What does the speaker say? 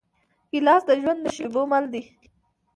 ګیلاس د ژوند د شېبو مل دی.